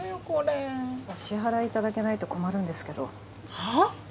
これお支払いいただけないと困るんですけどはあ？